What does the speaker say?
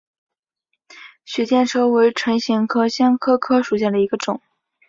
血见愁为唇形科香科科属下的一个种。